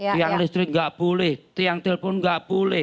tiang listrik enggak boleh tiang telpon enggak boleh